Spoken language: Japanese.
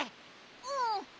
うん。